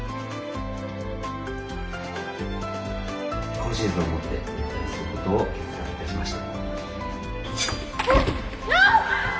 今シーズンをもって、引退することを決断いたしました。